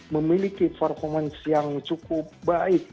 memiliki performance yang cukup baik